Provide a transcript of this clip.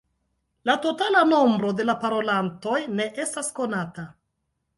La totala nombro de la parolantoj ne estas konata.